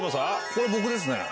これ僕ですね。